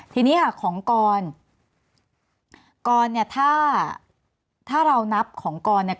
ทีนี้ค่ะของกรกรเนี่ยถ้าถ้าเรานับของกรเนี่ย